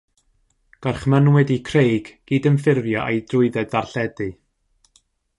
Gorchmynnwyd i Craig gydymffurfio â'i drwydded ddarlledu.